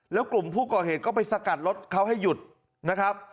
แล้วกลุ่มผู้ก่อเหตุก็ไปสกัดรถเขาให้หยุดนะครับ